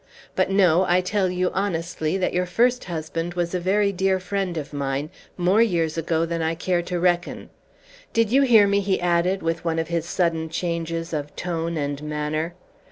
But no, I tell you honestly that your first husband was a very dear friend of mine, more years ago than I care to reckon. Did you hear me?" he added, with one of his sudden changes of tone and manner.